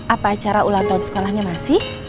apa acara ulatan sekolahnya masih